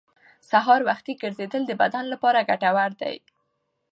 سهار وختي ګرځېدل د بدن لپاره ګټور دي